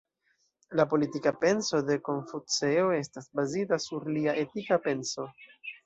La politika penso de Konfuceo estas bazita sur lia etika penso.